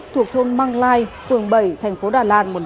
thuộc thôn măng lai phường bảy thành phố đà lạt